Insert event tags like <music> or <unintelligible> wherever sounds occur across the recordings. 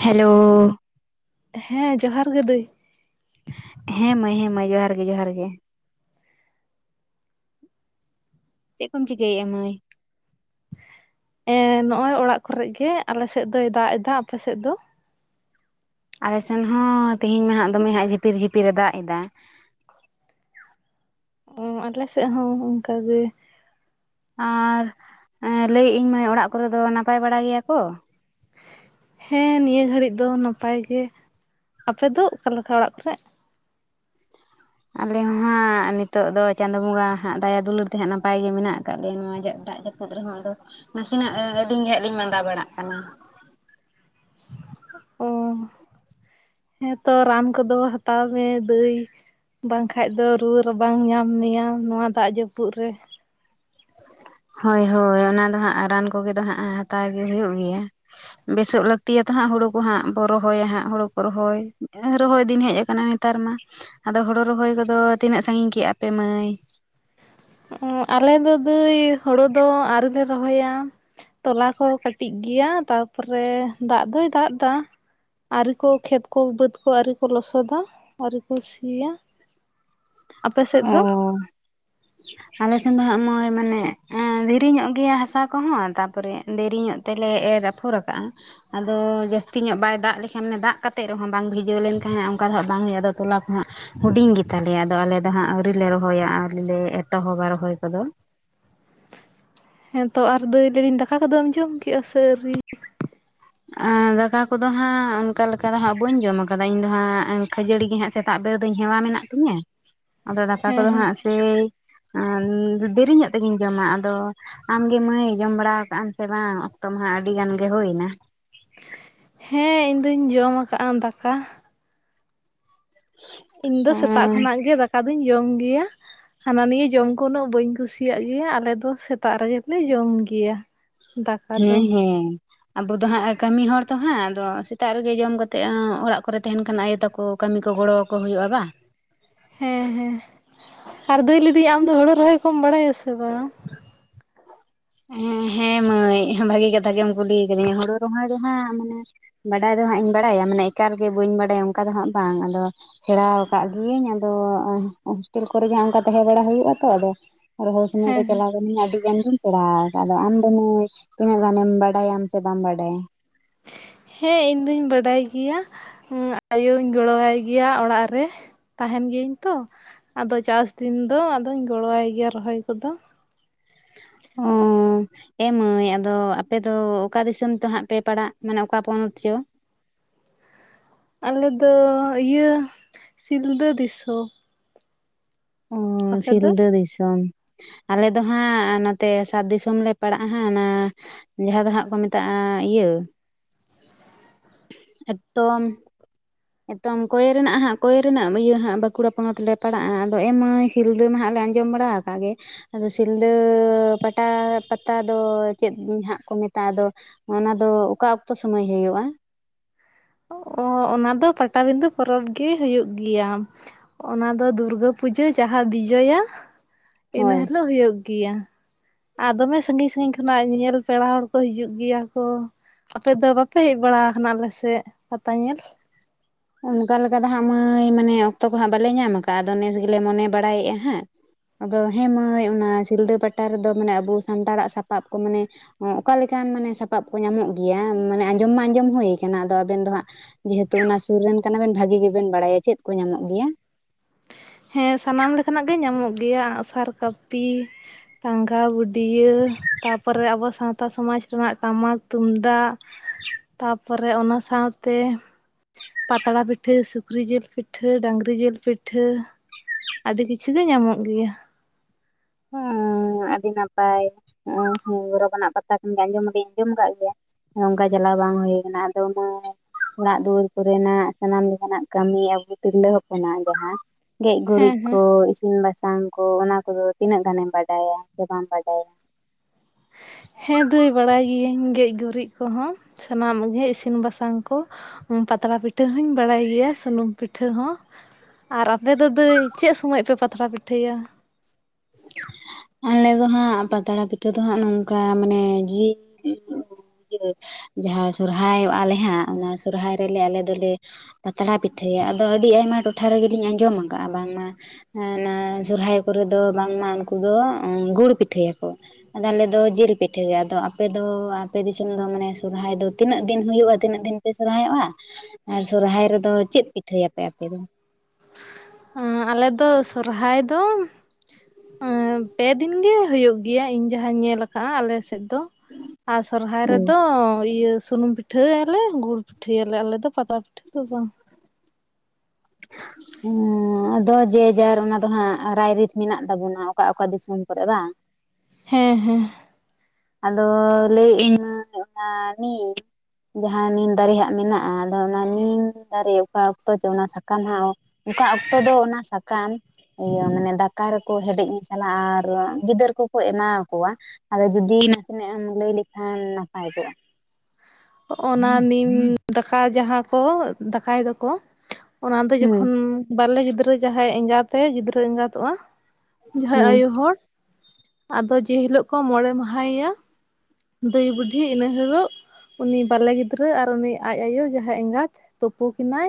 Hello. ᱦᱮᱸ ᱡᱚᱦᱟᱨ ᱜᱮ ᱫᱟᱹᱭ ᱦᱮᱸ ᱢᱟᱹᱭ ᱦᱮᱸ ᱢᱟᱹᱭ ᱡᱚᱦᱟᱨ ᱜᱮ ᱡᱚᱦᱟᱨ ᱜᱮ ᱾ ᱪᱮᱜ ᱠᱚᱢ ᱪᱤᱠᱟᱹᱭᱮᱜᱼᱟ ᱢᱟᱹᱭ? ᱮ ᱱᱚᱜᱼᱚᱭ ᱚᱲᱟᱜ ᱠᱚᱨᱮ ᱜᱮ ᱟᱞᱮ ᱥᱮᱫ ᱫᱚᱭ ᱫᱟᱜ ᱮᱫᱟ ᱾ ᱟᱯᱮ ᱥᱮᱫ ᱫᱚ? ᱟᱞᱮ ᱥᱮᱱ ᱦᱚᱸ ᱛᱤᱦᱤᱧ ᱢᱟ ᱦᱟᱸᱜ ᱫᱚᱢᱮ ᱦᱟᱸᱜ ᱡᱷᱤᱯᱤᱨ ᱡᱷᱤᱯᱤᱨᱮ ᱫᱟᱜ ᱮᱫᱟ ᱾ ᱚ ᱟᱞᱮ ᱥᱮᱜ ᱦᱚᱸ ᱚᱝᱠᱟ ᱜᱮ ᱾ ᱟᱨ ᱮ ᱞᱟᱹᱭᱮᱜ ᱤᱧ ᱢᱟᱹᱭ ᱚᱲᱟᱜ ᱠᱚᱨᱮᱫᱚ ᱱᱟᱯᱟᱭ ᱵᱟᱲᱟ ᱜᱮᱭᱟ ᱠᱚ? ᱦᱮᱸ ᱱᱤᱭᱟᱹ ᱜᱷᱟᱹᱲᱤᱡ ᱫᱚ ᱱᱟᱯᱟᱭ ᱜᱮ ᱾ ᱟᱯᱮ ᱫᱚ ᱚᱠᱟᱞᱮᱠᱟ ᱚᱲᱟᱜ ᱠᱚᱨᱮᱜ? ᱟᱞᱮ ᱦᱚᱸ ᱦᱟᱸᱜ ᱱᱤᱛᱚᱜ ᱫᱚ ᱪᱟᱸᱫᱳ ᱵᱚᱸᱜᱟ ᱦᱟᱸᱜ ᱫᱟᱭᱟ ᱫᱩᱞᱟᱹᱲ ᱛᱮ ᱦᱟᱸᱜ ᱱᱟᱯᱟᱭ ᱜᱮ ᱢᱮᱱᱟᱜ ᱟᱠᱟᱫ ᱞᱮᱭᱟ ᱱᱚᱣᱟ ᱡᱟᱜ ᱰᱟᱜ ᱡᱟ ᱯᱩᱫ ᱨᱮᱦᱚᱸ ᱟᱫᱚ ᱱᱟᱥᱮᱱᱟᱜ ᱟᱹᱞᱤᱧ ᱜᱮ ᱦᱟᱸᱜ ᱞᱤᱧ ᱢᱟᱸᱫᱟ ᱵᱟᱲᱟᱜ ᱠᱟᱱᱟ ᱾ ᱚ, ᱦᱮᱸ ᱛᱚ ᱨᱟᱱ ᱠᱚᱫᱚ ᱦᱟᱛᱟᱣ ᱢᱮ ᱫᱟᱹᱭ᱾ ᱵᱟᱝᱠᱷᱟᱡ ᱫᱚ ᱨᱩᱣᱟᱹ ᱨᱟᱵᱟᱝ ᱧᱟᱢ ᱢᱮᱭᱟ ᱱᱚᱣᱟ ᱫᱟᱜ ᱡᱟᱹᱯᱩᱫ ᱨᱮ ᱾ ᱦᱳᱭ ᱦᱳᱭ ᱚᱱᱟ ᱫᱚ ᱦᱟᱸᱜ ᱨᱟᱱ ᱠᱚᱜᱮ ᱫᱚ ᱦᱟᱸᱜ ᱦᱟᱛᱟᱣ ᱜᱮ ᱦᱩᱭᱩᱜ ᱜᱮᱭᱟ ᱾ ᱵᱮᱥᱚᱜ ᱞᱟᱹᱠᱛᱤᱭᱟᱛᱚ ᱦᱟᱸᱜ ᱦᱩᱲᱩ ᱠᱚ ᱦᱟᱸᱜ ᱵᱚ ᱨᱚᱦᱚᱭᱟ ᱦᱟᱸᱜ ᱦᱩᱲᱩ ᱠᱚ ᱨᱚᱦᱚᱭ, ᱨᱚᱦᱚᱭ ᱫᱤᱱ ᱦᱮᱡ ᱟᱠᱟᱱᱟ ᱱᱤ ᱛᱟᱨ ᱢᱟ, ᱟᱫᱚ ᱦᱳᱲᱳ ᱨᱚᱦᱚᱭ ᱠᱚᱫᱚ ᱛᱤᱱᱟᱹᱜ ᱥᱟᱺᱜᱤᱧ ᱠᱮᱜᱼᱟ ᱯᱮ ᱢᱟᱹᱭ? ᱚᱸ, ᱟᱞᱮ ᱫᱚ ᱫᱟᱹᱭ ᱦᱳᱲᱳ ᱫᱚ ᱟᱹᱣᱨᱮ ᱨᱚᱦᱚᱭᱟ ᱾ ᱛᱚᱞᱟ ᱠᱚ ᱠᱟᱹᱴᱤᱡ ᱜᱮᱭᱟ ᱛᱟᱯᱚᱨᱮ ᱫᱟᱜ ᱫᱚᱭ ᱫᱟᱜᱫᱟ ᱾ ᱟᱹᱨᱤ ᱠᱚ ᱠᱷᱮᱛ ᱠᱚ ᱵᱟᱹᱫᱽ ᱠᱚ ᱟᱹᱣᱨᱤ ᱠᱚ ᱞᱚᱥᱚᱫᱟ ᱟᱹᱨᱤ ᱠᱚ ᱥᱤᱭᱟ ᱾ ᱚᱻ <unintelligible> ᱟᱞᱮ ᱥᱮᱱ ᱫᱚ ᱦᱟᱸᱜ ᱢᱟᱹᱭ ᱢᱟᱱᱮ ᱮᱸ ᱫᱷᱤᱨᱤ ᱧᱚᱜ ᱜᱮᱭᱟ ᱦᱟᱥᱟ ᱠᱚᱦᱚᱸ ᱛᱟᱯᱚᱨᱮ ᱫᱮᱨᱤᱧᱚᱜ ᱛᱮᱞᱮ ᱮᱨ ᱟᱯᱷᱚᱨ ᱠᱟᱜᱼᱟ ᱾ ᱟᱫᱚ ᱡᱟᱹᱥᱛᱤ ᱧᱚᱜ ᱵᱟᱭ ᱫᱟᱜ ᱞᱮᱠᱷᱟᱱ ᱚᱱᱮ ᱫᱟᱜ ᱠᱟᱛᱮᱫ ᱨᱮᱦᱚᱸ ᱵᱟᱝ ᱵᱷᱤᱡᱟᱹᱣ ᱞᱮᱱᱠᱷᱟᱡ ᱦᱟᱸᱜ ᱚᱝᱠᱟ ᱫᱚ ᱦᱟᱸᱜ ᱵᱟᱝ ᱦᱩᱭᱩᱜᱼᱟ, ᱟᱫᱚ ᱛᱚᱞᱟ ᱠᱚ ᱦᱟᱸᱜ ᱦᱩᱰᱤᱧ ᱜᱮᱛᱟᱞᱮᱭᱟ ᱟᱫᱚ ᱟᱞᱮ ᱫᱚ ᱦᱟᱸᱜ ᱟᱹᱣᱨᱤ ᱞᱮ ᱨᱚᱦᱚᱭᱟ ᱟᱹᱣᱨᱤ ᱞᱮ ᱮᱛᱚᱦᱚᱵᱟ ᱨᱚᱦᱚᱭ ᱠᱚᱫᱚ ᱾ ᱦᱮᱸᱛᱚ ᱟᱨ ᱫᱟᱹᱭ ᱞᱟᱹᱭᱫᱟᱧ ᱫᱟᱠᱟ ᱠᱚᱫᱚᱢ ᱡᱚᱢ ᱠᱮᱜᱼᱟ ᱥᱮ ᱟᱹᱣᱨᱤ? ᱟᱸ ᱫᱟᱠᱟ ᱠᱚᱫᱚ ᱦᱟᱸᱜ ᱚᱱᱠᱟ ᱞᱮᱠᱟ ᱫᱚ ᱦᱟᱸᱜ ᱵᱟᱹᱧ ᱡᱚᱢ ᱠᱟᱫᱟ, ᱤᱧ ᱫᱚ ᱦᱟᱸᱜ ᱠᱷᱟᱹᱡᱟᱹᱲᱤ ᱜᱮ ᱦᱟᱸᱜ ᱥᱮ ᱛᱟᱜ ᱵᱮᱨ ᱫᱚᱧ ᱦᱮᱣᱟ ᱢᱮᱱᱟᱜ ᱛᱤᱧᱟᱹ ᱾ ᱟᱫᱚ ᱫᱟᱠᱟ ᱠᱚᱫᱚ ᱦᱟᱸᱜ <unintelligible> ᱚᱸᱻ ᱫᱮᱨᱤᱧᱚᱜ ᱛᱮᱜᱤᱧ ᱡᱚᱢᱟ ᱟᱫᱚ ᱟᱢᱜᱮ ᱢᱟᱹᱭ ᱡᱚᱢ ᱵᱟᱲᱟ ᱠᱟᱜᱼᱟ ᱟᱢ ᱥᱮ ᱵᱟᱝ ᱚᱠᱛᱚ ᱢᱟ ᱦᱟᱜ ᱟᱹᱰᱤ ᱜᱟᱱ ᱜᱮ ᱦᱩᱭᱱᱟ? ᱦᱮᱸ ᱤᱧᱫᱩᱧ ᱡᱚᱢ ᱟᱠᱟᱜᱼᱟ ᱫᱟᱠᱟ ᱾ ᱤᱧ ᱫᱚ ᱥᱮᱛᱟᱜ ᱠᱷᱚᱱᱟᱜ ᱜᱮ ᱫᱟᱠᱟ ᱫᱩᱧ ᱡᱚᱢ ᱜᱮᱭᱟ ᱾ ᱦᱟᱱᱟ ᱱᱤᱭᱟᱹ ᱡᱚᱢ ᱠᱚ ᱩᱱᱟᱹᱜ ᱵᱟᱹᱧ ᱠᱩᱥᱤᱭᱟᱜ ᱜᱮᱭᱟ, ᱟᱞᱮ ᱫᱚ ᱥᱮᱛᱟᱜ ᱨᱮ ᱜᱮ ᱞᱮ ᱡᱚᱢ ᱜᱮᱭᱟ ᱾ ᱦᱮᱸ ᱦᱮᱸ ᱾ ᱟᱵᱚ ᱫᱚ ᱦᱟᱸᱜ ᱠᱟᱹᱢᱤ ᱦᱚᱲ ᱛᱚ ᱦᱟᱸᱜ ᱟᱫᱚ ᱥᱮᱛᱟᱜ ᱨᱮᱜᱮ ᱡᱚᱢ ᱠᱟᱛᱮ ᱟᱸ ᱚᱲᱟᱜ ᱠᱚᱨᱮ ᱛᱟᱦᱮᱱ ᱠᱷᱟᱱ ᱟᱭᱳ ᱛᱟᱠᱚ ᱠᱟᱹᱢᱤ ᱠᱚ ᱜᱚᱲᱚ ᱟᱠᱚ ᱦᱩᱭᱩᱜᱼᱟ ᱵᱟᱝ? ᱦᱮᱸ, ᱦᱮᱸ, ᱟᱨ ᱫᱟᱹᱭ ᱞᱟᱹᱭᱫᱟᱧ ᱟᱢᱫᱚ ᱦᱳᱲᱳ ᱨᱚᱦᱚᱭ ᱠᱚᱢ ᱵᱟᱲᱟᱭᱟ ᱥᱮ ᱵᱟᱝ? ᱦᱮᱸ ᱦᱮᱸ ᱢᱟᱹᱭ ᱵᱷᱟᱜᱤ ᱠᱟᱛᱷᱟ ᱜᱮᱢ ᱠᱩᱞᱤ ᱟᱠᱟᱫᱤᱧᱟ ᱦᱩᱲᱩ ᱨᱚᱦᱚᱭ ᱨᱮᱦᱟᱸᱜ ᱢᱟᱱᱮ ᱵᱟᱰᱟᱭ ᱫᱚ ᱦᱟᱸᱜ ᱤᱧ ᱵᱟᱲᱟᱭᱟ ᱢᱟᱱᱮ ᱮᱠᱟᱞᱜᱮ ᱵᱟᱹᱧ ᱵᱟᱰᱟᱭᱟ ᱚᱝᱠᱟ ᱫᱚ ᱦᱟᱸᱜ ᱵᱟᱝ, ᱟᱫᱚ ᱥᱮᱬᱟ ᱟᱠᱟᱜ ᱜᱤᱭᱟᱹᱧ ᱟᱫᱚ ᱦᱳᱥᱴᱮᱞ ᱠᱚᱨᱮ ᱜᱮ ᱦᱟᱸᱜ ᱚᱝᱠᱟ ᱛᱟᱦᱮᱸ ᱵᱟᱲᱟ ᱦᱩᱭᱩᱜᱼᱟ ᱛᱚ, ᱟᱫᱚ ᱨᱚᱦᱚᱭ ᱥᱚᱢᱚᱭ ᱫᱚ ᱦᱮᱸ ᱦᱮᱸ ᱪᱟᱞᱟᱣ <unintelligible> ᱟᱹᱰᱤ ᱜᱟᱱ ᱜᱮᱧ ᱥᱮᱲᱟ ᱠᱟᱫᱟ ᱾ ᱟᱢ ᱫᱚ ᱢᱟᱹᱭ ᱛᱤᱱᱟᱹᱜ ᱜᱟᱱᱮᱢ ᱵᱟᱰᱟᱭᱟᱢ ᱥᱮ ᱵᱟᱢ ᱵᱟᱰᱟᱭᱟ? ᱦᱮᱸ ᱤᱧ ᱫᱩᱧ ᱵᱟᱰᱟᱭ ᱜᱮᱭᱟ, ᱟᱭᱳᱧ ᱜᱚᱲᱚ ᱟᱭ ᱜᱮᱭᱟ ᱚᱲᱟᱜ ᱨᱮ ᱾ ᱛᱟᱦᱮᱱ ᱜᱤᱭᱟᱹᱧ ᱛᱚ, ᱟᱫᱚ ᱪᱟᱥ ᱫᱤᱱ ᱫᱚ ᱟᱫᱚᱧ ᱜᱚᱲᱚᱣᱟᱭ ᱜᱮᱭᱟ ᱨᱚᱦᱚᱭ ᱠᱚᱫᱚ ᱾ ᱚᱸᱻ ᱮ ᱢᱟᱹᱭ ᱟᱫᱚ ᱟᱯᱮ ᱫᱚ ᱚᱠᱟ ᱫᱤᱥᱚᱢ ᱛᱚ ᱦᱟᱸᱜ ᱯᱮ ᱯᱟᱲᱟᱜ ᱢᱟᱱᱮ ᱚᱠᱟ ᱯᱚᱱᱚᱛ ᱪᱚ? ᱟᱞᱮ ᱫᱚ ᱤᱭᱟᱹ ᱥᱤᱞᱫᱟᱹ ᱫᱤᱥᱚ ᱾ ᱚ ᱫᱚ? ᱥᱤᱞᱫᱟᱹ ᱫᱤᱥᱚᱢ ᱾ ᱟᱞᱮ ᱫᱚ ᱦᱟᱸᱜ ᱱᱚᱛᱮ ᱥᱟᱛ ᱫᱤᱥᱚᱢ ᱞᱮ ᱯᱟᱲᱟᱜ-ᱟ ᱦᱟᱸᱜ ᱚᱱᱟ ᱡᱟᱦᱟᱸ ᱫᱚ ᱦᱟᱸᱜ ᱠᱚ ᱢᱮᱛᱟᱜ-ᱟ ᱤᱭᱟᱹ <inaudible> ᱮᱛᱚᱢ ᱮᱛᱚᱢ ᱠᱚᱭᱮ ᱨᱮᱱᱟᱜ ᱦᱟᱸᱜ ᱠᱚᱭᱮ ᱨᱮᱱᱟᱜ ᱤᱭᱟᱹ ᱦᱟᱸᱜ ᱵᱟᱸᱠᱩᱲᱟ ᱯᱚᱱᱚᱛ ᱞᱮ ᱯᱟᱲᱟᱜ-ᱟ ᱾ ᱮ ᱢᱟᱹᱭ ᱥᱤᱞᱫᱟᱹ ᱢᱟ ᱦᱟᱜ ᱞᱮ ᱟᱸᱡᱚᱢ ᱵᱟᱲᱟ ᱟᱠᱟᱫ ᱜᱮ ᱾ ᱟᱫᱚ ᱥᱤᱞᱫᱟᱹ ᱯᱟᱴᱟ ᱯᱟᱛᱟ ᱫᱚ ᱪᱮᱫ ᱦᱟᱸᱜ ᱠᱚ ᱢᱮᱛᱟᱜ-ᱟ ᱟᱫᱚ ᱚᱱᱟ ᱫᱚ ᱚᱠᱟ ᱚᱠᱛᱚ ᱥᱩᱢᱚᱭ ᱦᱩᱭᱩᱜ-ᱟ? ᱚ ᱚᱱᱟ ᱫᱚ ᱯᱟᱴᱟᱵᱤᱱᱫᱷᱟᱹ ᱯᱚᱨᱚᱵᱽ ᱜᱮ ᱦᱩᱭᱩᱜ ᱜᱮᱭᱟ ᱾ ᱚᱱᱟ ᱫᱚ ᱫᱩᱨᱜᱟᱹ ᱯᱩᱡᱟᱹ ᱡᱟᱦᱟᱸ ᱵᱤᱡᱚᱭᱟ <inaudible> ᱤᱱᱟ ᱦᱳᱭ ᱦᱤᱞᱳᱜ ᱦᱩᱭᱩᱜ ᱜᱮᱭᱟ ᱾ ᱟᱨ ᱫᱚᱢᱮ ᱥᱟᱺᱜᱤᱧ ᱥᱟᱺᱜᱤᱧ ᱠᱷᱚᱱᱟᱜ ᱧᱮᱞ ᱯᱮᱲᱟ ᱦᱚᱲ ᱠᱚ ᱦᱤᱡᱩᱜ ᱜᱮᱭᱟ ᱠᱚ ᱾ ᱟᱯᱮ ᱫᱚ ᱵᱟᱯᱮ ᱦᱮᱡ ᱵᱟᱲᱟ ᱟᱠᱟᱱᱟ ᱟᱞᱮ ᱥᱮᱫ ᱯᱟᱛᱟ ᱧᱮᱞ? ᱚᱱᱠᱟ ᱞᱮᱠᱟ ᱫᱚ ᱦᱟᱸᱜ ᱢᱟᱹᱭ ᱢᱟᱱᱮ ᱚᱠᱛᱚ ᱠᱚᱦᱟᱸᱜ ᱵᱟᱞᱮ ᱧᱟᱢ ᱟᱠᱟᱜ-ᱟ ᱟᱫᱚ ᱱᱮᱥ ᱜᱮᱞᱮ ᱢᱚᱱᱮ ᱵᱟᱲᱟᱭᱮᱫ-ᱟ ᱦᱟᱸᱜ ᱟᱫᱚ ᱦᱮᱸ ᱢᱟᱹᱭ ᱚᱱᱟ ᱥᱤᱞᱫᱟᱹ ᱯᱟᱴᱟ ᱨᱮᱫᱚ ᱢᱟᱱᱮ ᱟᱵᱚ ᱥᱟᱱᱛᱟᱲᱟᱜ ᱥᱟᱯᱟᱵ ᱠᱚ ᱢᱟᱱᱮ ᱚᱠᱟ ᱞᱮᱠᱟᱱ ᱢᱟᱱᱮ ᱥᱟᱯᱟᱵ ᱠᱚ ᱧᱟᱢᱚᱜ ᱜᱮᱭᱟ ᱢᱟᱱᱮ ᱟᱸᱡᱚᱢ ᱢᱟ ᱟᱸᱡᱚᱢ ᱦᱩᱭ ᱠᱟᱱᱟ ᱾ ᱟᱫᱚ ᱟᱵᱮᱱ ᱫᱚ ᱦᱟᱸᱜ ᱡᱮᱦᱮᱛᱩ ᱚᱱᱟ ᱥᱩᱨ ᱨᱮᱱ ᱠᱟᱱᱟ ᱵᱮᱱ ᱵᱷᱟᱹᱜᱤ ᱜᱮᱵᱮᱱ ᱵᱟᱲᱟᱭᱟ ᱪᱮᱫ ᱠᱚ ᱧᱟᱢᱚᱜ ᱜᱮᱭᱟ‌? ᱦᱮᱸ ᱥᱟᱱᱟᱢ ᱞᱮᱠᱟᱱᱟᱜ ᱜᱮ ᱧᱟᱢᱚᱜ ᱜᱮᱭᱟ ᱟᱸᱜ ᱥᱟᱨ ᱠᱟᱹᱯᱤ ᱴᱟᱸᱜᱟ ᱵᱩᱰ ᱭᱟᱹ ᱛᱟᱨᱯᱚᱨᱮ ᱟᱵᱚ ᱥᱟᱶ ᱛᱟ ᱥᱚᱢᱟᱡᱽ ᱨᱮᱱᱟᱜ ᱴᱟᱢᱟᱠ ᱛᱩᱢᱫᱟᱜ <inaudible> ᱛᱟᱯᱚᱨᱮ ᱚᱱᱟ ᱥᱟᱶᱛᱮ ᱯᱟᱛᱲᱟ ᱯᱤᱴᱷᱟᱹ ᱥᱩᱠᱨᱤ ᱡᱤᱞ ᱯᱤᱴᱷᱟᱹ ᱰᱟᱹᱝᱨᱤ ᱡᱤᱞ ᱯᱤᱴᱷᱟᱹ ᱟᱹᱰᱤ ᱠᱤᱪᱷᱩ ᱜᱮ ᱧᱟᱢᱚᱜ ᱜᱮᱭᱟ ᱾ <inaudible> ᱦᱮᱸ ᱟᱹᱰᱤ ᱱᱟᱯᱟᱭ ᱱᱚᱜ-ᱚᱭ ᱜᱚᱨᱚᱵᱽ ᱟᱱᱟᱜ ᱯᱟᱛᱟ ᱠᱟᱱ ᱜᱮ ᱟᱸᱡᱚᱢ ᱫᱚᱧ ᱟᱸᱡᱚᱢ ᱟᱠᱟᱫ ᱜᱮᱭᱟ ᱾ ᱚᱱᱠᱟ ᱪᱟᱞᱟᱣ ᱵᱟᱝ ᱦᱩᱭ ᱠᱟᱱᱟ ᱾ ᱟᱫᱚ ᱢᱟᱹᱭ ᱚᱲᱟᱜ ᱫᱩᱣᱟᱹᱨ ᱠᱚᱨᱮᱱᱟᱜ ᱥᱟᱱᱟᱢ ᱞᱮᱠᱟᱱᱟᱜ ᱠᱟᱹᱢᱤ ᱟᱵᱚ ᱛᱤᱨᱞᱟᱹ ᱦᱚᱯᱚᱱᱟᱜ ᱡᱟᱦᱟᱸ ᱜᱮᱡ ᱜᱩᱨᱤᱡ ᱦᱮᱸ ᱦᱮᱸ ᱠᱚ ᱤᱥᱤᱱ ᱵᱟᱥᱟᱝ ᱠᱚ ᱚᱱᱟ ᱠᱚᱫᱚ ᱛᱤᱱᱟᱹᱜ ᱜᱟᱱᱮᱢ ᱵᱟᱰᱟᱭᱟ ᱥᱮ ᱵᱟᱢ ᱵᱟᱰᱟᱭᱟ? ᱦᱮᱸ ᱫᱟᱹᱭ ᱵᱟᱲᱟᱭ ᱜᱤᱭᱟᱹᱧ ᱜᱮᱡ ᱜᱩᱨᱤᱡ ᱠᱚᱦᱚᱸ ᱥᱟᱱᱟᱢ ᱜᱮ ᱤᱥᱤᱱ ᱵᱟᱥᱟᱝ ᱠᱚ ᱾ ᱦᱩᱸ ᱯᱟᱛᱲᱟ ᱯᱤᱴᱷᱟᱹ ᱦᱚᱧ ᱵᱟᱲᱟᱭ ᱜᱮᱭᱟ ᱥᱩᱱᱩᱢ ᱯᱤᱴᱷᱟᱹ ᱦᱚᱸ ᱾ ᱟᱨ ᱟᱯᱮ ᱫᱚ ᱫᱟᱹᱭ ᱪᱮᱫ ᱥᱚᱢᱚᱭ ᱯᱮ ᱯᱟᱛᱲᱟ ᱯᱤᱴᱷᱟᱹᱭᱟ? ᱟᱞᱮ ᱫᱚ ᱦᱟᱸᱜ ᱯᱟᱛᱲᱟ ᱯᱤᱴᱷᱟᱹ ᱫᱚ ᱦᱟᱸᱜ ᱱᱚᱝᱠᱟ ᱢᱟᱱᱮ ᱡᱤᱞ ᱡᱟᱦᱟᱸ ᱥᱚᱨᱦᱟᱭᱚᱜ ᱟᱞᱮ ᱦᱟᱸᱜ ᱚᱱᱟ ᱥᱚᱨᱦᱟᱭ ᱨᱮᱞᱮ ᱟᱞᱮ ᱫᱚᱞᱮ ᱯᱟᱛᱲᱟ ᱯᱤᱴᱷᱟᱹᱭᱟ ᱾ ᱟᱫᱚ ᱟᱹᱰᱤ ᱟᱭᱢᱟ ᱴᱚᱴᱷᱟ ᱨᱮᱜᱮᱞᱤᱧ ᱟᱸᱡᱚᱢ ᱟᱠᱟᱫ-ᱟ ᱵᱟᱝᱢᱟ ᱚᱱᱟ ᱥᱚᱨᱦᱟᱭ ᱠᱚᱨᱮ ᱫᱚ ᱵᱟᱝᱢᱟ ᱩᱱᱠᱩ ᱫᱚ ᱜᱩᱲ ᱯᱤᱴᱷᱟᱹᱭᱟ ᱠᱚ ᱾ ᱟᱫᱚ ᱟᱞᱮ ᱫᱚ ᱡᱤᱞ ᱯᱤᱴᱷᱟᱹᱭᱟ ᱾ ᱟᱫᱚ ᱟᱯᱮ ᱫᱚ ᱟᱯᱮ ᱫᱤᱥᱚᱢ ᱫᱚ ᱢᱟᱱᱮ ᱥᱚᱨᱦᱟᱭ ᱫᱚ ᱛᱤᱱᱟᱹᱜ ᱫᱤᱱ ᱦᱩᱭᱩᱜ-ᱟ ᱛᱤᱱᱟᱹᱜ ᱫᱤᱱ ᱯᱮ ᱥᱚᱨᱦᱟᱭᱚᱜ-ᱟ ᱟᱨ ᱥᱚᱨᱦᱟᱭ ᱨᱮᱫᱚ ᱪᱮᱫ ᱯᱤᱴᱷᱟᱹᱭᱟ ᱯᱮ ᱟᱯᱮ ᱫᱚ? ᱟᱞᱮ ᱫᱚ ᱥᱚᱨᱦᱟᱭ ᱫᱚ ᱯᱮ ᱫᱤᱱ ᱜᱤ ᱦᱩᱭᱩᱜ ᱜᱮᱭᱟ ᱤᱧ ᱡᱟᱦᱟᱸᱧ ᱧᱮᱞ ᱟᱠᱟᱫ-ᱟ ᱟᱞᱮ ᱥᱮᱫ ᱫᱚ ᱾ ᱟᱨ ᱥᱚᱨᱦᱟᱭ ᱦᱩᱸ ᱨᱮᱫᱚ ᱤᱭᱟᱹ ᱥᱩᱱᱩᱢ ᱯᱤ ᱴᱷᱟᱹᱭᱟᱞᱮ ᱜᱩᱲ ᱯᱤᱴᱷᱟᱹᱭᱟᱞᱮ ᱟᱞᱮ ᱫᱚ ᱯᱟᱛᱲᱟ ᱯᱤᱴᱷᱟᱹ ᱫᱚ ᱵᱟᱝ ᱾ ᱦᱮᱸ ᱾ ᱟᱫᱚ ᱡᱮ ᱡᱟᱨ ᱚᱱᱟ ᱫᱚ ᱦᱟᱸᱜ ᱨᱟᱭ ᱨᱤᱛ ᱢᱮᱱᱟᱜ ᱛᱟᱵᱚᱱᱟ ᱚᱠᱟ ᱚᱠᱟ ᱫᱤᱥᱚᱢ ᱠᱚᱨᱮ ᱵᱟᱝ? ᱦᱮᱸ ᱦᱮᱸ ᱾ ᱟᱫᱚ ᱞᱟᱹᱭᱮᱫ ᱤᱧ ᱚᱱᱟ ᱱᱤᱢ ᱡᱟᱦᱟᱸ ᱱᱤᱢ ᱫᱟᱨᱮ ᱦᱟᱸᱜ ᱢᱮᱱᱟᱜᱼᱟ ᱟᱫᱚ ᱚᱱᱟ ᱱᱤᱢ ᱫᱟᱨᱮ ᱚᱠᱟ ᱚᱠᱛᱚ ᱪᱚ ᱚᱱᱟ ᱥᱟᱠᱟᱢ ᱦᱟᱸᱜ ᱚᱠᱟ ᱚᱠᱛᱚ ᱫᱚ ᱚᱱᱟ ᱥᱟᱠᱟᱢ ᱤᱭᱟᱹ ᱢᱟᱱᱮ ᱫᱟᱠᱟ ᱨᱮᱠᱚ ᱦᱮᱰᱮᱡ ᱢᱮᱥᱟᱞᱟ ᱟᱨ ᱜᱤᱫᱟᱹᱨ ᱠᱚᱠᱚ ᱮᱢᱟ ᱠᱚᱣᱟ ᱟᱫᱚ ᱡᱩᱫᱤ ᱱᱟᱥᱮᱱᱟᱜ ᱮᱢ ᱞᱟᱹᱭ ᱞᱮᱠᱷᱟᱱ ᱱᱟᱯᱟᱭ ᱠᱚᱜᱼᱟ। ᱚᱱᱟ ᱱᱤᱢ ᱫᱟᱠᱟ ᱡᱟᱦᱟᱸ ᱠᱚ ᱫᱟᱠᱟᱭ ᱫᱚᱠᱚ ᱚᱱᱟ ᱫᱚ ᱦᱩᱸ ᱡᱚᱠᱷᱚᱱ ᱵᱟᱞᱮ ᱜᱤᱫᱽᱨᱟᱹ ᱡᱟᱦᱟᱸᱭ ᱮᱸᱜᱟᱛᱮ ᱜᱤᱫᱽᱨᱟᱹ ᱮᱸᱜᱟᱛᱚᱜᱼᱟ ᱡᱟᱦᱟᱸᱭ ᱦᱩᱸ ᱟᱭᱳ ᱦᱚᱲ ᱟᱫᱚ ᱡᱮᱦᱤᱞᱚᱜ ᱠᱚ ᱢᱚᱬᱮ ᱢᱟᱦᱟᱭᱮᱭᱟ ᱫᱟᱹᱭ ᱵᱩᱰᱷᱤ ᱤᱱᱟᱹ ᱦᱤᱞᱚᱜ ᱩᱱᱤ ᱵᱟᱞᱮ ᱜᱤᱫᱽᱨᱟᱹ ᱟᱨ ᱩᱱᱤ ᱟᱡ ᱟᱭᱳ ᱡᱟᱦᱟᱸ ᱮᱸᱜᱟᱛ ᱛᱩᱯᱩ ᱠᱤᱱᱟᱭ᱾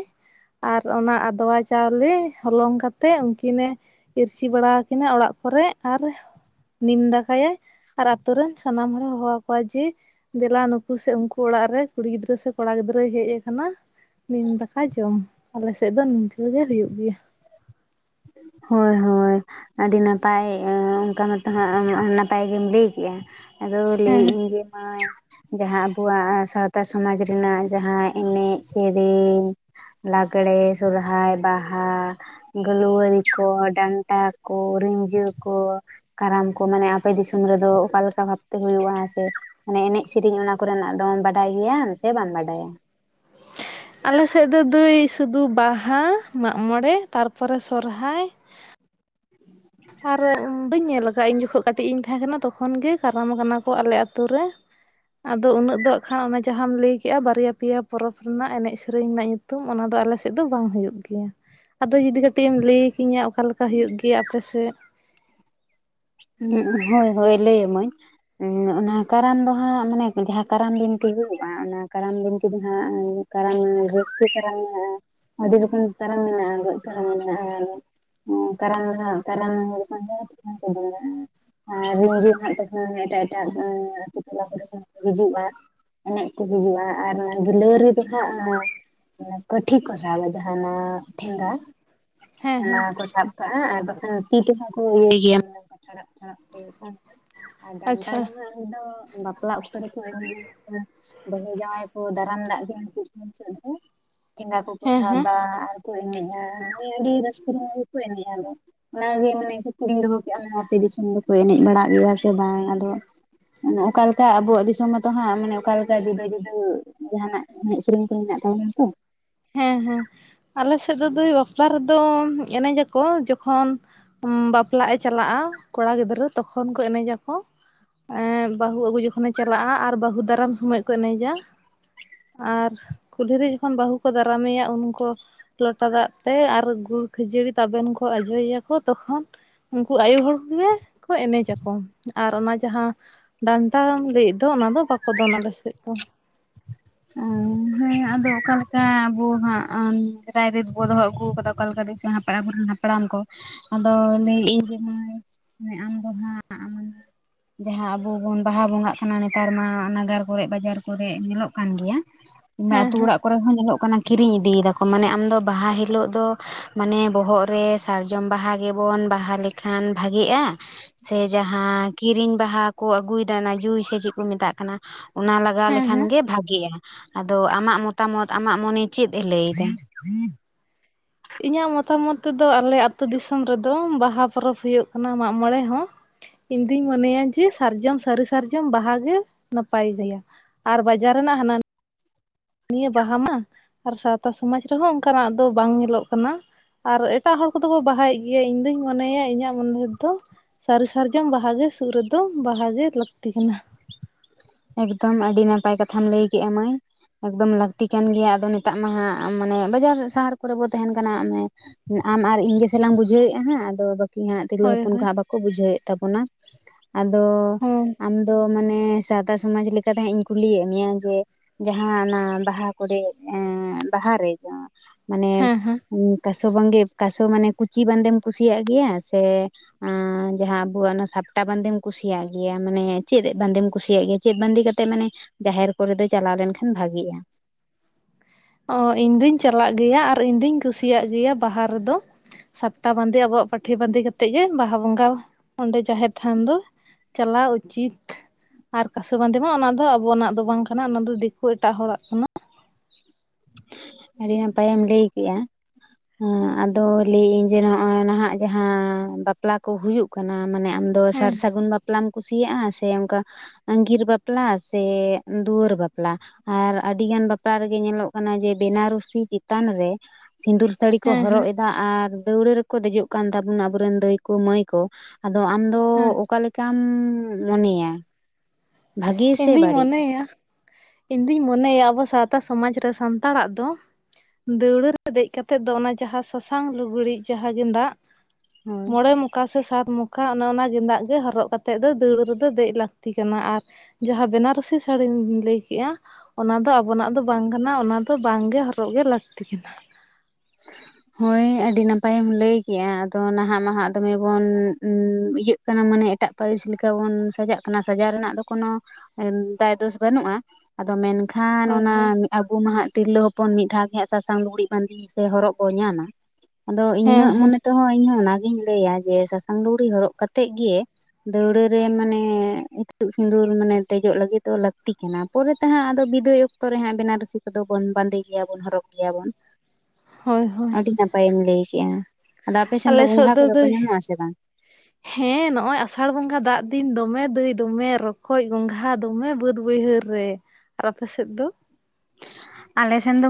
ᱟᱨ ᱚᱱᱟ ᱟᱫᱽᱣᱟ ᱪᱟᱣᱞᱮ ᱦᱚᱞᱚᱝ ᱠᱟᱛᱮᱫ ᱩᱱᱠᱤᱱᱮ ᱤᱨᱪᱤ ᱵᱟᱲᱟᱠᱤᱱᱟᱹ ᱚᱲᱟᱜ ᱠᱚᱨᱮ ᱟᱨ ᱱᱤᱢ ᱫᱟᱠᱟᱭᱟᱭ ᱟᱨ ᱟᱛᱚ ᱨᱮᱱ ᱥᱟᱱᱟᱢ ᱦᱚᱲᱮ ᱦᱚᱦᱚ ᱡᱮ ᱫᱮᱞᱟ ᱱᱩᱠᱩ ᱥᱮ ᱩᱱᱠᱩ ᱚᱲᱟᱜ ᱨᱮ ᱠᱩᱲᱤ ᱜᱤᱫᱽᱨᱟᱹ ᱥᱮ ᱠᱚᱲᱟ ᱜᱤᱫᱽᱨᱟᱹᱭ ᱦᱮᱡ ᱟᱠᱟᱱᱟ᱾ ᱱᱤᱢ ᱫᱟᱠᱟ ᱡᱚᱢ ᱟᱞᱮ ᱥᱮᱫ ᱫᱚ ᱱᱤᱝᱠᱟᱹ ᱜᱮ ᱦᱩᱭᱩᱜ ᱜᱮᱭᱟ᱾ ᱦᱳᱭ ᱦᱳᱭ᱾ ᱟᱹᱰᱤ ᱱᱟᱯᱟᱭ ᱚᱱᱠᱟ ᱢᱟᱛᱚ ᱦᱟᱸᱜ ᱱᱟᱯᱟᱭ ᱜᱮᱢ ᱞᱟᱹᱭ ᱠᱮᱫᱼᱟ᱾ ᱟᱫᱚ ᱦᱮᱸ ᱞᱟᱹᱭᱮᱫ ᱤᱧ ᱡᱮ ᱢᱟ ᱡᱟᱦᱟᱸ ᱟᱵᱚᱣᱟᱜ ᱥᱟᱶᱛᱟ ᱥᱚᱢᱟᱡᱽ ᱨᱮᱱᱟᱜ ᱡᱟᱦᱟᱸ ᱮᱱᱮᱡ ᱥᱮᱨᱮᱧ ᱞᱟᱜᱽᱲᱮ, ᱥᱚᱨᱦᱟᱭ, ᱵᱟᱦᱟ᱾ ᱞᱩᱣᱟᱹᱨᱤ ᱠᱚ, ᱰᱟᱱᱴᱟ ᱠᱚ, ᱨᱤᱸᱡᱟᱹ ᱠᱚ᱾ ᱠᱟᱨᱟᱢ ᱠᱚ ᱢᱟᱱᱮ ᱟᱯᱮ ᱫᱤᱥᱚᱢ ᱨᱮᱫᱚ ᱚᱠᱟᱞᱮᱠᱟ ᱵᱷᱟᱵᱽᱛᱮ ᱦᱩᱭᱩᱜᱼᱟ ᱦᱮᱸ ᱥᱮ? ᱢᱟᱱᱮ ᱮᱱᱮᱡ ᱥᱮᱨᱮᱧ ᱚᱱᱟ ᱠᱚᱨᱮᱱᱟᱜ ᱫᱚᱢ ᱵᱟᱰᱟᱭ ᱜᱮᱭᱟᱢ ᱥᱮ ᱵᱟᱢ ᱵᱟᱰᱟᱭᱟ? ᱟᱞᱮᱥᱮᱫ ᱫᱚ ᱫᱟᱹᱭ ᱥᱩᱫᱷᱩ ᱵᱟᱦᱟ, ᱢᱟᱜᱢᱚᱬᱮ, ᱛᱟᱨᱯᱚᱨᱮ ᱥᱚᱨᱦᱟᱭ ᱟᱨ ᱵᱟᱹᱧ ᱧᱮᱞ ᱟᱠᱟᱫ ᱤᱧ ᱡᱚᱠᱷᱚᱡ ᱠᱟᱹᱴᱤᱡ ᱤᱧ ᱛᱟᱦᱮᱸ ᱠᱟᱱᱟ ᱛᱚᱠᱷᱚᱱ ᱜᱮ ᱠᱟᱨᱟᱢ ᱟᱠᱟᱱᱟ ᱠᱚ ᱟᱞᱮ ᱟᱛᱳ ᱨᱮ᱾ ᱟᱫᱚ ᱩᱱᱟᱹᱜ ᱫᱚ ᱦᱟᱸᱜ ᱠᱷᱟᱱ ᱚᱱᱟ ᱡᱟᱦᱟᱸᱟᱢ ᱞᱟᱹᱭ ᱠᱮᱜ-ᱟ ᱵᱟᱨᱭᱟ ᱯᱮᱭᱟ ᱯᱚᱨᱚᱵᱽ ᱨᱮᱱᱟᱜ ᱮᱱᱮᱡ ᱥᱮᱨᱮᱧ ᱨᱮᱱᱟᱜ ᱧᱩ ᱧᱩᱛᱩᱢ ᱚᱱᱟ ᱫᱚ ᱟᱞᱮ ᱥᱮᱫ ᱫᱚ ᱵᱟᱝ ᱦᱩᱭᱩᱜ ᱜᱮᱭᱟ, ᱟᱫᱚ ᱡᱩᱫᱤ ᱠᱟᱹᱴᱤᱡ ᱮᱢ ᱞᱟᱹᱭ ᱠᱤᱧᱟᱹ ᱚᱠᱟ ᱞᱮᱠᱟ ᱦᱩᱭᱩᱜ ᱜᱮᱭᱟ ᱟᱯ ᱟᱯᱮ ᱥᱮᱫ? ᱦᱳᱭ ᱦᱳᱭ ᱞᱟᱹᱭ ᱟᱢᱟᱹᱧ᱾ ᱚᱱᱟ ᱠᱟᱨᱟᱢ ᱫᱚ ᱦᱟᱸᱜ ᱢᱟᱱᱮ ᱡᱟᱦᱟᱸ ᱠᱟᱨᱟᱢ ᱵᱤᱱᱛᱤ ᱦᱩᱭᱩᱜᱼᱟ ᱚᱱᱟ ᱠᱟᱨᱟᱢ ᱵᱤᱱᱛᱤ ᱫᱚ ᱦᱟᱸᱜ ᱠᱟᱨᱟᱢ, ᱨᱟᱹᱥᱠᱟᱹ ᱠᱟᱨᱟᱢ ᱢᱮᱱᱟᱜᱼᱟ, ᱟᱹᱰᱤ ᱨᱚᱠᱚᱢ ᱠᱟᱨᱟᱢ ᱢᱮᱱᱟᱜᱼᱟ, ᱜᱚᱡ ᱛᱟᱨᱟᱢ ᱢᱮᱱᱟᱜᱼᱟ᱾ ᱠᱟᱨᱟᱢ ᱫᱚ ᱦᱟᱸᱜ <unintelligible> ᱟᱨ ᱨᱤᱸᱡᱟᱹ ᱦᱟᱸᱜ ᱛᱚᱠᱷᱚᱱ ᱮᱴᱟᱜ ᱮᱴᱟᱜ ᱟᱛᱩ ᱴᱚᱞᱟ ᱠᱚᱨᱮ ᱠᱷᱚᱱ ᱠᱚ ᱦᱤᱡᱩᱜᱼᱟ᱾ ᱮᱱᱮᱡ ᱠᱚ ᱦᱤᱡᱩᱜᱼᱟ ᱟᱨ ᱚᱱᱟ ᱜᱤᱞᱣᱟᱹᱨᱤ ᱫᱚ ᱦᱟᱸᱜ ᱚᱱᱟ ᱠᱟᱹᱴᱷᱤ ᱠᱚ ᱥᱟᱵᱟ ᱡᱟᱸᱦᱟᱱᱟᱜ ᱴᱷᱮᱸᱜᱟ᱾ ᱦᱮᱸ ᱚᱱᱟ ᱦᱮᱸ ᱠᱚ ᱥᱟᱵ ᱠᱟᱜᱼᱟ ᱟᱨ ᱵᱟᱠᱷᱟᱱ ᱛᱤ ᱛᱮᱦᱚᱸ ᱠᱚ ᱤᱭᱟᱹᱭ ᱜᱮᱭᱟ <unintelligible> ᱴᱷᱟᱲᱟᱵ ᱴᱷᱟᱲᱟᱵ ᱟᱨ ᱰᱟᱱᱴᱟ ᱟᱪᱪᱷᱟ ᱨᱮᱱᱟᱜ ᱫᱚ ᱵᱟᱯᱞᱟᱜ ᱚᱠᱛᱚ ᱨᱮᱠᱚ ᱮᱱᱮᱡ-ᱟ ᱵᱟᱹᱦᱩ ᱡᱟᱶᱟᱭ ᱠᱚ ᱫᱟᱨᱟᱢ ᱫᱟᱜ ᱜᱮᱭᱟ ᱩᱱᱠᱩ ᱥᱮᱫ ᱫᱚ ᱴᱷᱮᱸᱜᱟ ᱠᱚᱠᱚ ᱦᱮᱸ ᱦᱮᱸ ᱥᱟᱵᱟ ᱟᱨ ᱠᱚ ᱮᱱᱮᱡᱼᱟ ᱟᱹᱰᱤ ᱨᱟᱹᱥᱠᱟᱹ ᱨᱮᱱᱟᱜ ᱜᱮᱠᱚ ᱮᱱᱮᱡᱼᱟ ᱟᱫᱚ ᱚᱱᱟᱜᱮ ᱢᱟᱱᱮ ᱠᱩᱠᱞᱤᱧ ᱫᱚᱦᱚ ᱠᱮᱫᱼᱟ ᱢᱟᱱᱮ ᱟᱯᱮ ᱫᱤᱥᱚᱢ ᱫᱚᱠᱚ ᱮᱱᱮᱡ ᱜᱮᱭᱟ ᱥᱮ ᱵᱟᱝ ᱟᱫᱚ? ᱚᱠᱟ ᱞᱮᱠᱟ ᱟᱵᱚᱣᱟᱜ ᱫᱤᱥᱚᱢ ᱢᱟᱛᱚ ᱦᱟᱸᱜ ᱢᱟᱱᱮ ᱚᱠᱟ ᱞᱮᱠᱟ ᱡᱩᱫᱟᱹ ᱡᱩᱫᱟᱹ ᱡᱟᱸᱦᱟᱱᱟᱜ ᱮᱱᱮᱡ ᱥᱮᱨᱮᱧ ᱠᱚ ᱦᱮᱱᱟᱜ ᱛᱟᱵᱚᱱᱟ ᱛᱚ᱾ ᱦᱮᱸ ᱦᱮᱸ, ᱟᱞᱮ ᱥᱮᱫ ᱫᱚ ᱫᱟᱹᱭ ᱵᱟᱯᱞᱟ ᱨᱮᱫᱚ ᱮᱱᱮᱡ ᱟᱠᱚ ᱡᱚᱠᱷᱚᱱ ᱵᱟᱯᱞᱟᱜ ᱮ ᱪᱟᱞᱟᱜᱼᱟ ᱠᱚᱲᱟ ᱜᱤᱫᱽᱨᱟᱹ ᱛᱚᱠᱷᱚᱱ ᱠᱚ ᱮᱱᱮᱡᱟᱠᱚ᱾ ᱮᱻ ᱵᱟᱹᱦᱩ ᱟᱹᱜᱩ ᱡᱚᱠᱷᱚᱱᱮ ᱪᱟᱞᱟᱜᱼᱟ ᱟᱨ ᱵᱟᱹᱦᱩ ᱫᱟᱨᱟᱢ ᱥᱚᱢᱚᱭ ᱠᱚ ᱮᱱᱮᱡᱟ᱾ ᱟᱨ ᱠᱩᱞᱦᱤ ᱡᱚᱠᱷᱚᱱ ᱵᱟᱹᱦᱩ ᱠᱚ ᱫᱟᱨᱟᱢᱮᱭᱟ ᱩᱱᱠᱚ ᱞᱚᱴᱟ ᱫᱟᱜ ᱛᱮ, ᱟᱨ ᱜᱩᱲ ᱠᱷᱟᱹᱡᱟᱹᱲᱤ ᱛᱟᱵᱮᱱ ᱠᱚ ᱟᱡᱚ ᱭᱮᱭᱟᱠᱚ᱾ ᱛᱚᱠᱷᱚᱱ ᱩᱱᱠᱩ ᱟᱭᱳ ᱦᱚᱲ ᱠᱚᱜᱮ ᱠᱚ ᱮᱱᱮᱡ ᱟᱠᱚ, ᱟᱨ ᱚᱱᱟ ᱡᱟᱸᱦᱟ ᱰᱟᱱᱴᱟᱢ ᱞᱟᱹᱭᱮᱫ ᱫᱚ ᱚᱱᱟ ᱫᱚ ᱵᱟᱠᱚ ᱫᱚᱱᱟ ᱟᱞᱮ ᱥᱮᱫ ᱫᱚ᱾ ᱩᱸ ᱦᱩᱸ ᱦᱮᱸ ᱟᱫᱚ ᱚᱠᱟᱞᱮᱠᱟ ᱟᱵᱚ ᱦᱟᱸᱜ ᱨᱟᱭ ᱨᱤᱛ ᱵᱚ ᱫᱚᱦᱚ ᱟᱹᱜᱩ ᱟᱠᱟᱫᱟ ᱚᱠᱟᱞᱮᱠᱟ ᱫᱤᱥᱚ ᱦᱟᱸᱜ ᱦᱟᱯᱲᱟ ᱵᱚᱱ ᱦᱟᱯᱲᱟᱢ ᱠᱚ᱾ ᱟᱫᱚ ᱞᱟᱹᱭ ᱮᱜ ᱟᱹᱧ ᱡᱮ ᱢᱟᱹᱭ ᱟᱢ ᱫᱚ ᱦᱟᱸᱜ <inaudible> ᱡᱟᱦᱟᱸ ᱟᱵᱚ ᱵᱚᱱ ᱵᱟᱦᱟ ᱵᱚᱸᱜᱟᱜ ᱠᱟᱱᱟ ᱱᱮᱛᱟᱨ ᱢᱟ ᱱᱟᱜᱟᱨ ᱠᱚᱨᱮᱜ ᱵᱟᱡᱟᱨ ᱠᱚᱨᱮᱜ ᱧᱮᱞᱚᱜ ᱠᱟᱱ ᱜᱮᱭᱟ <unintelligible> ᱦᱮᱸ ᱟᱛᱩ ᱦᱮᱸ ᱚᱲᱟᱜ ᱠᱚᱨᱮ ᱦᱚᱸ ᱧᱮᱞᱚᱜ ᱠᱟᱱᱟ ᱠᱤᱨᱤᱧ ᱤᱫᱤ ᱮᱫᱟ ᱠᱚ, ᱢᱟᱱᱮ ᱟᱢᱫᱚ ᱵᱟᱦᱟ ᱦᱤᱞᱳᱜ ᱫᱚ ᱢᱟᱱᱮ ᱵᱚᱦᱚᱜ ᱨᱮ ᱥᱟᱨᱡᱚᱢ ᱵᱟᱦᱟ ᱜᱮᱵᱚᱱ ᱵᱟᱦᱟ ᱞᱮᱠᱷᱟᱱ ᱵᱷᱟᱜᱮᱜᱼᱟ᱾ ᱥᱮ ᱡᱟᱦᱟᱸ ᱠᱤᱨᱤᱧ ᱵᱟᱦᱟ ᱠᱚ ᱟᱹᱜᱩᱭᱮᱫᱟ ᱚᱱᱟ ᱡᱩᱸᱭ ᱥᱮ ᱪᱮᱫ ᱠᱚ ᱢᱮᱛᱟᱜ ᱠᱟᱱᱟ? ᱚᱱᱟ ᱞᱟᱜᱟᱣ ᱦᱮᱸ ᱞᱮᱠᱷᱟᱱ ᱦᱮᱸ ᱜᱮ ᱵᱷᱟᱜ ᱜᱮᱭᱟ ᱟᱫᱚ ᱟᱢᱟᱜ ᱢᱚᱛᱟ ᱢᱚᱛ ᱟᱢᱟᱜ ᱢᱚᱱᱮ ᱪᱮᱫ ᱮ ᱞᱟᱹᱭ ᱮᱫᱟ? ᱤᱧᱟᱹᱜ ᱢᱚᱛᱟ ᱢᱚᱛ ᱛᱮᱫᱚ ᱟᱞᱮ ᱟᱛᱳ ᱫᱤᱥᱚᱢ ᱨᱮᱫᱚ, ᱵᱟᱦᱟ ᱯᱚᱨᱚᱵᱽ ᱦᱩᱭᱩᱜ ᱠᱟᱱᱟ, ᱢᱟᱜ ᱢᱚᱬᱮ ᱦᱚᱸ᱾ ᱤᱧ ᱫᱩᱧ ᱢᱚᱱᱮᱭᱟ ᱡᱮ ᱥᱟᱨᱡᱚᱢ ᱥᱟᱹᱨᱤ ᱥᱟᱨᱡᱚᱢ ᱵᱟᱦᱟ ᱜᱮ ᱱᱟᱯᱟᱭ ᱜᱮᱭᱟ᱾ ᱟᱨ ᱵᱟᱡᱟᱨ ᱨᱮᱱᱟᱜ ᱦᱟᱱᱟ ᱱᱤᱭᱟᱹ ᱵᱟᱦᱟ ᱢᱟ ᱟᱨ ᱥᱟᱶᱛᱟ ᱥᱚᱢᱟᱡᱽ ᱨᱮᱦᱚᱸ ᱚᱱᱠᱟᱱᱟᱜ ᱫᱚ ᱵᱟᱝ ᱧᱮᱞᱚᱜ ᱠᱟᱱᱟ᱾ ᱟᱨ ᱮᱴᱟᱜ ᱦᱚᱲ ᱠᱚᱫᱚ ᱠᱚ ᱵᱟᱦᱟᱭᱮᱫ ᱜᱮᱭᱟ ᱤᱧ ᱫᱩᱧ ᱢᱚᱱᱮᱭᱟ ᱤᱧᱟᱹᱜ ᱢᱚᱱᱮ ᱨᱮᱫᱚ ᱥᱟᱹᱨᱤ ᱥᱟᱨᱡᱚᱢ ᱵᱟᱦᱟ ᱜᱮ ᱥᱩᱫ ᱨᱮᱫᱚ ᱵᱟᱦᱟ ᱜᱮ ᱞᱟᱹᱠᱛᱤ ᱠᱟᱱᱟ᱾ ᱮᱠᱫᱚᱢ ᱟᱹᱰᱤ ᱱᱟᱯᱟᱭ ᱠᱟᱛᱷᱟᱢ ᱞᱟᱹᱭ ᱠᱮᱫ-ᱟ ᱢᱟᱹᱭ᱾ ᱮᱠᱫᱚᱢ ᱞᱟᱹᱠᱛᱤ ᱠᱟᱱ ᱜᱮᱭᱟ ᱟᱫᱚ ᱱᱮᱛᱟᱜ ᱢᱟ ᱦᱟᱸᱜ ᱢᱟᱱᱮ ᱵᱟᱡᱟᱨ ᱥᱟᱦᱟᱨ ᱠᱚᱨᱮ ᱵᱚ ᱛᱟᱦᱮᱱ ᱠᱟᱱᱟ᱾ ᱚᱱᱮ ᱦᱩᱸ ᱟᱢ ᱟᱨ ᱤᱧ ᱜᱮᱥᱮᱞᱟᱝ ᱵᱩᱡᱷᱟᱹᱣᱮᱫᱼᱟ ᱦᱟᱸᱜ᱾ ᱟᱫᱚ ᱠᱤ ᱦᱟᱸᱜ ᱛᱤᱨᱞᱟᱹ ᱦᱳᱭ ᱦᱚᱯᱚᱱ ᱠᱚ ᱦᱟᱸᱜ ᱵᱟᱠᱚ ᱵᱩᱡᱷᱟᱹᱣᱮᱫ ᱛᱟᱵᱚᱱᱟ᱾ ᱟᱫᱚ ᱦᱳᱭ ᱟᱢ ᱫᱚ ᱢᱟᱱᱮ ᱥᱟᱶᱛᱟ ᱥᱚᱢᱟᱡᱽ ᱞᱮᱠᱟᱛᱮ ᱦᱟᱸᱜ ᱤᱧ ᱠᱩᱞᱤᱭᱮᱫ ᱢᱮᱭᱟ᱾ ᱡᱮ ᱡᱟᱦᱟᱸ ᱚᱱᱟ ᱵᱟᱦᱟ ᱠᱚᱨᱮ ᱮᱸᱜ ᱵᱟᱦᱟᱨᱮ ᱡᱚᱸ ᱢᱟᱱᱮ ᱦᱮᱸ ᱦᱮᱸ ᱦᱮᱸ ᱩᱸᱜ ᱠᱟᱥᱚ ᱵᱟᱸᱜᱮ ᱠᱟᱥᱚ ᱢᱟᱱᱮ ᱠᱩᱪᱤ ᱵᱟᱸᱫᱮᱢ ᱠᱩᱥᱤᱭᱟᱜ ᱜᱮᱭᱟ ᱥᱮ ᱟᱸ ᱡᱟᱦᱟᱸ ᱟᱵᱚᱣᱟᱜ ᱚᱱᱟ ᱥᱟᱯᱴᱟ ᱵᱟᱸᱫᱮᱢ ᱠᱩᱥᱤᱭᱟᱜ ᱜᱮᱭᱟ ᱢᱟᱱᱮ ᱪᱮᱫ ᱵᱟᱸᱫᱮᱢ ᱠᱩᱥᱤᱭᱟᱜ ᱜᱮᱭᱟ? ᱪᱮᱫ ᱵᱟᱸᱫᱮ ᱠᱟᱛᱮᱫ ᱢᱟᱱᱮ ᱡᱟᱦᱮᱨ ᱠᱚᱨᱮ ᱫᱚ ᱪᱟᱞᱟ ᱞᱮᱱᱠᱷᱟᱱ ᱵᱷᱟᱜᱤᱜᱼᱟ? ᱚ ᱤᱧ ᱫᱩᱧ ᱪᱟᱞᱟᱜ ᱜᱮᱭᱟ, ᱟᱨ ᱤᱧ ᱫᱩᱧ ᱠᱩᱥᱤᱭᱟᱜ ᱜᱮᱭᱟ, ᱵᱟᱦᱟ ᱨᱮᱫᱚ ᱥᱟᱯᱴᱟ ᱵᱟᱸᱫᱮ ᱟᱵᱚᱣᱟᱜ ᱯᱟᱹᱴᱷᱤ ᱵᱟᱸᱫᱮ ᱠᱟᱛᱮᱜ ᱜᱮ ᱵᱟᱦᱟ ᱵᱚᱸᱜᱟ ᱚᱸᱰᱮ ᱡᱟᱦᱮᱨ ᱛᱷᱟᱱ ᱫᱚ᱾ ᱪᱟᱞᱟᱣ ᱩᱪᱤᱛ ᱟᱨ ᱠᱟᱥᱮ ᱵᱟᱸᱫᱮ ᱢᱟ ᱚᱱᱟ ᱫᱚ ᱟᱵᱚᱱᱟᱜ ᱫᱚ ᱵᱟᱝ ᱠᱟᱱᱟ, ᱚᱱᱟ ᱫᱚ ᱫᱤᱠᱩ ᱮᱴᱟᱜ ᱦᱚᱲᱟᱜ ᱠᱟᱱᱟ᱾ ᱟᱹᱰᱤ ᱱᱟᱯᱟᱭᱮᱢ ᱞᱟᱹᱭ ᱠᱮᱼᱟ᱾ ᱦᱮᱸ ᱟᱫᱚ ᱞᱟᱹᱭᱮᱜ ᱤᱧ ᱡᱮ ᱱᱚᱜᱼᱚᱭ ᱱᱷᱟᱜ ᱡᱟᱦᱟᱸ ᱵᱟᱯᱞᱟ ᱠᱚ ᱦᱩᱭᱩᱜ ᱠᱟᱱᱟ᱾ ᱢᱟᱱᱮ ᱟᱢ ᱟᱫᱚ ᱦᱮᱸ ᱥᱟᱨ ᱥᱟᱹᱜᱩᱱ ᱵᱟᱯᱞᱟᱢ ᱠᱩᱥᱤᱭᱟᱜᱼᱟ᱾ ᱥᱮ ᱚᱝᱠᱟ ᱟᱹᱜᱤᱨ ᱵᱟᱯᱞᱟ ᱥᱮ, ᱫᱩᱣᱟᱹᱨ ᱵᱟᱯᱞᱟ, ᱟᱨ ᱟᱹᱰᱤᱜᱟᱱ ᱵᱟᱯᱞᱟ ᱨᱮᱜᱮ ᱧᱮᱞᱚᱜ ᱠᱟᱱᱟ ᱡᱮ ᱵᱮᱱᱟᱨᱥᱤ ᱪᱮᱛᱟᱱ ᱨᱮ ᱥᱤᱸᱫᱩᱨ ᱥᱟᱹᱲᱤ ᱠᱚ ᱦᱮᱸ ᱦᱚᱨᱚᱜ ᱦᱮᱸ ᱮᱫᱟ ᱟᱨ ᱫᱟᱹᱣᱲᱟᱹ ᱨᱮᱠᱚ ᱫᱮᱡᱚᱜ ᱠᱟᱱ ᱛᱟᱵᱚᱱᱟ, ᱟᱵᱚᱨᱮᱱ ᱫᱟᱹᱭ ᱠᱚ ᱢᱟᱹᱭ ᱠᱚ ᱟᱫᱚ ᱟᱢᱫᱚ ᱦᱩᱸ ᱚᱠᱟ ᱞᱮᱠᱟᱢ ᱢᱚᱱᱮᱭᱟ? ᱵᱷᱟᱜᱮ ᱥᱮ ᱤᱧᱫᱩᱧ ᱵᱟᱹᱲᱤᱡ ᱢᱚᱱᱮᱭᱟ᱾ ᱤᱧᱫᱩᱧ ᱢᱚᱱᱮᱭᱟ ᱟᱵᱚ ᱥᱟᱶᱛᱟ ᱥᱚᱢᱟᱡ ᱨᱮ ᱥᱟᱱᱛᱟᱲᱟᱜ ᱫᱚ ᱫᱟᱹᱣᱲᱟᱹ ᱨᱮ ᱫᱮᱡ ᱠᱟᱛᱮᱜ ᱫᱚ ᱚᱱᱟ ᱡᱟᱦᱟᱸ ᱥᱟᱥᱟᱝ ᱞᱩᱜᱽᱲᱤᱡ ᱡᱟᱦᱟᱸ ᱜᱮᱸᱫᱟᱜ ᱦᱳᱭ ᱢᱚᱬᱮ ᱢᱩ ᱠᱟ ᱥᱮ ᱥᱟᱛ ᱢᱚᱠᱟ, ᱚᱱᱮ ᱚᱱᱟ ᱜᱮᱫᱟᱜ ᱜᱮ ᱦᱚᱨᱚᱜ ᱠᱟᱛᱮᱫ ᱫᱚ ᱫᱟᱹᱣᱲᱟᱹ ᱨᱮᱫᱚ ᱫᱮᱡ ᱞᱟᱹᱠᱛᱤ ᱠᱟᱱᱟ᱾ ᱟᱨ ᱡᱟᱦᱟᱸ ᱵᱮᱱᱟᱨᱥᱤ ᱥᱟᱨᱤᱢ ᱞᱟᱹᱭ ᱠᱮᱼᱟ᱾ ᱚᱱᱟ ᱫᱚ ᱟᱵᱚᱱᱟᱜ ᱫᱚ ᱵᱟᱝ ᱠᱟᱱᱟ, ᱚᱱᱟ ᱫᱚ ᱵᱟᱝᱜᱮ ᱦᱚᱨᱚᱜ ᱜᱮ ᱞᱟᱹᱠᱛᱤ ᱠᱟᱱᱟ ᱾ <inaudible> ᱦᱳᱭ ᱟᱹᱰᱤ ᱱᱟᱯᱟᱭᱮᱢ ᱞᱟᱹᱭᱠᱮᱜᱼᱟ, ᱟᱫᱚ ᱱᱟᱦᱟᱜ ᱢᱟᱦᱟᱸ ᱫᱚᱢᱮ ᱵᱚᱱ ᱤᱭᱟᱹᱜ ᱠᱟᱱᱟ ᱢᱟᱱᱮ ᱮᱴᱟᱜ ᱯᱟᱹᱨᱤᱥ ᱞᱮᱠᱟ ᱵᱚᱱ ᱥᱟᱡᱟᱜ ᱠᱟᱱᱟ ᱥᱟᱡᱟ ᱨᱮᱱᱟᱜ ᱫᱚ ᱠᱳᱱᱳ ᱫᱟᱭ ᱫᱳᱥ ᱵᱟᱹᱱᱩᱜᱼᱟ ᱾ ᱟᱫᱚ ᱢᱮᱱᱠᱷᱟᱱ ᱦᱳᱭ ᱚᱱᱟ ᱦᱳᱭ ᱟᱵᱩ ᱢᱟᱦᱟ ᱛᱤᱨᱞᱟᱹ ᱦᱚᱯᱚᱱ ᱢᱤᱫ ᱫᱷᱟᱣ ᱜᱮ ᱦᱟᱸᱜ ᱥᱟᱥᱟᱝ ᱞᱩᱜᱽᱲᱤᱡ ᱵᱟᱸᱫᱤ ᱥᱮ ᱦᱚᱨᱚᱜ ᱠᱚ ᱧᱟᱢᱟ ᱟᱫᱚ ᱤᱧ ᱦᱮᱸ ᱦᱮᱸ ᱢᱚᱱᱮ <unintelligible> ᱤᱧᱦᱚᱸ ᱚᱱᱟᱜᱤᱧ ᱞᱟᱹᱭᱼᱟ ᱡᱮ ᱥᱟᱸᱥᱟᱝ ᱞᱩᱜᱽᱨᱤ ᱦᱚᱨᱚᱜ ᱠᱟᱛᱮᱜ ᱜᱮ ᱫᱟᱹᱣᱲᱟᱹ ᱨᱮ ᱢᱟᱱᱮ ᱤᱛᱩᱜ ᱥᱤᱸᱫᱩᱨ ᱢᱟᱱᱮ ᱫᱮᱡᱚᱜ ᱞᱟᱹᱜᱤᱫ ᱫᱚ ᱞᱟᱹᱠᱛᱤ ᱠᱟᱱᱟ ᱾ ᱯᱚᱨᱮᱛᱮ ᱦᱟᱸᱜ ᱟᱫᱚ ᱵᱤᱫᱟᱹᱭ ᱚᱠᱛᱚ ᱨᱮ ᱦᱟᱸᱜ ᱵᱤᱱᱟ ᱨᱩᱥᱤ ᱠᱚᱫᱚ ᱵᱚᱱ ᱵᱟᱸᱫᱮ ᱜᱮᱭᱟ ᱵᱚᱱ ᱦᱚᱨᱚᱜ ᱜᱮᱭᱟᱵᱚᱱ ᱾ ᱦᱳᱭ ᱦᱳᱭ ᱟᱹᱰᱤ ᱱᱟᱯᱟᱭᱮᱢ ᱞᱟᱹᱭ ᱠᱮᱜᱼᱟ ᱟᱫᱚ ᱟᱯᱮ ᱥᱮᱱ ᱫᱚ ᱟᱞᱮ ᱥᱮᱫ ᱜᱚᱸᱜᱷᱟ ᱠᱚᱫᱚ ᱠᱚ ᱫᱟᱹᱭ ᱧᱟᱢᱚᱜ ᱟᱥᱮ ᱵᱟᱝ? <inaudible> ᱦᱮᱸ ᱱᱚᱜᱼᱚᱭ ᱟᱥᱟᱲ ᱵᱚᱸᱜᱟ ᱫᱟᱜ ᱫᱤᱱ ᱫᱚᱢᱮ ᱫᱟᱹᱭ ᱫᱚᱢᱮ ᱨᱚᱠᱚᱡ ᱜᱚᱝᱜᱷᱟ ᱫᱚᱢᱮ ᱵᱟᱹᱫᱽ ᱵᱟᱹᱭᱦᱟᱹᱲ ᱨᱮ ᱟᱨ ᱟᱯᱮ ᱥᱮᱫ ᱫᱚ? ᱟᱞᱮᱥᱮᱱ ᱫᱚ